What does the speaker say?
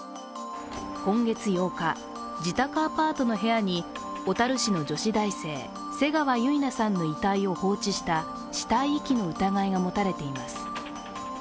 今月８日、自宅アパートの部屋に小樽市の女子大生、瀬川結菜さんの遺体を放置した死体遺棄の疑いが持たれています。